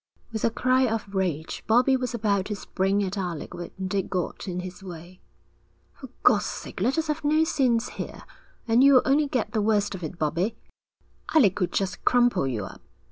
With a cry of rage Bobbie was about to spring at Alec when Dick got in his way. 'For God's sake, let us have no scenes here. And you'll only get the worst of it, Bobbie. Alec could just crumple you up.'